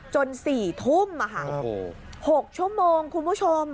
จนสี่ทุ่มอ่ะค่ะโอ้โหหกชั่วโมงคุณผู้ชม